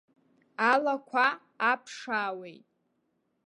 Алақәа аԥшаауеит.